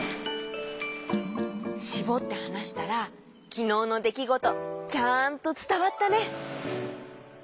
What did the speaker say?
しぼってはなしたらきのうのできごとちゃんとつたわったね！